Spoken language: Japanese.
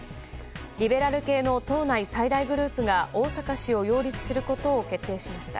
リベラル系の党内最大グループが逢坂氏を擁立することを決定しました。